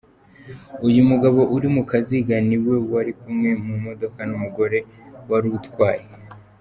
Uyu mugabo uri mu kaziga niwe wari kumwe mu modoka n'umugore wari utwaye.